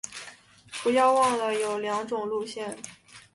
不要忘了有两种路线